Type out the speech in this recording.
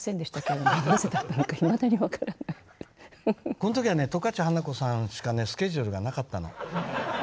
この時はね十勝花子さんしかねスケジュールがなかったの。